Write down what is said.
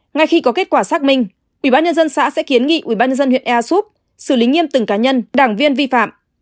ngay khi có kết quả xác minh ubnd xã sẽ kiến nghị ubnd huyện ea súp xử lý nghiêm từng cá nhân đảng viên vi phạm